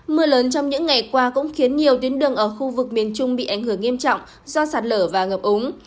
mưa lớn trong những ngày qua cũng khiến nhiều tuyến đường ở khu vực miền trung bị ảnh hưởng nghiêm trọng do sạt lở và ngập úng